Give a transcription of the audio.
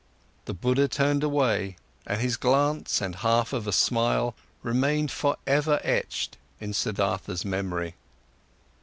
The Buddha turned away, and his glance and half of a smile remained forever etched in Siddhartha's memory.